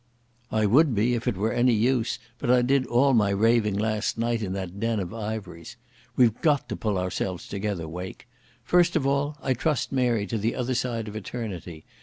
"I would be if it were any use, but I did all my raving last night in that den of Ivery's. We've got to pull ourselves together, Wake. First of all, I trust Mary to the other side of eternity.